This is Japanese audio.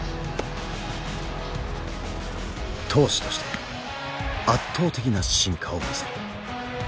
投手として圧倒的な進化を見せる。